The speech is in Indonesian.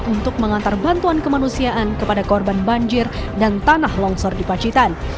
untuk mengantar bantuan kemanusiaan kepada korban banjir dan tanah longsor di pacitan